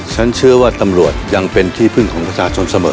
ฉันเชื่อว่าตำรวจยังเป็นที่พึ่งของประชาชนเสมอ